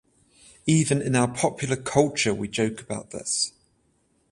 Even in our popular culture we joke about this.